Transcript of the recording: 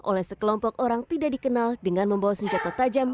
oleh sekelompok orang tidak dikenal dengan membawa senjata tajam